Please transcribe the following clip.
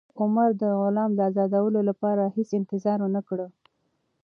عمر د غلام د ازادولو لپاره هېڅ انتظار ونه کړ.